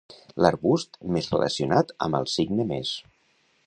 L'arbust més relacionat amb el signe més.